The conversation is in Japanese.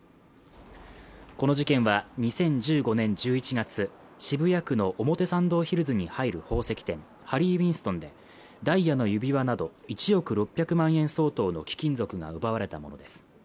この事件は２０１５年１１月渋谷区の表参道ヒルズに入る宝石店ハリー・ウィンストンでダイヤの指輪など１億６００万円相当の貴金属が奪われたものです